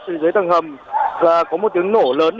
trong hầm và có một tiếng nổ lớn